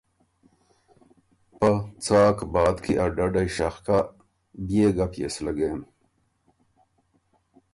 پۀ څاک باد کی ا ډدئ شخ کَۀ، بئے ګپ يې سو لګېن۔